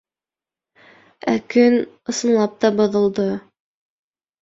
Ә көн, ысынлап та, боҙолдо.